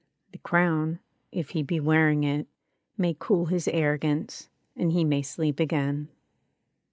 — The crown, if he be wearing it, may cool His arrogance, and he may sleep again.